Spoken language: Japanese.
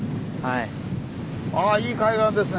あいい海岸ですね。